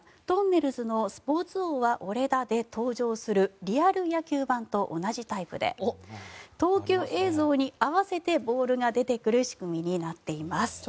「とんねるずのスポーツ王は俺だ！！」で登場するリアル野球ＢＡＮと同じタイプで投球映像に合わせてボールが出てくる仕組みになっています。